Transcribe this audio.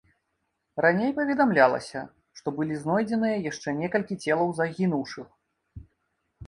Раней паведамлялася, што былі знойдзеныя яшчэ некалькі целаў загінуўшых.